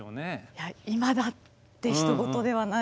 いや今だってひと事ではないですね。